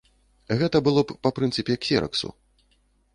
Гэта было б па прынцыпе ксераксу.